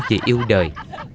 về yêu đời